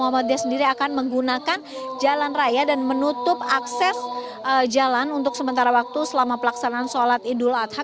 muhammadiyah sendiri akan menggunakan jalan raya dan menutup akses jalan untuk sementara waktu selama pelaksanaan sholat idul adha